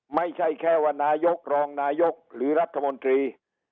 ไม่ใช่แค่ว่านายกรองนายกหรือรัฐมนตรี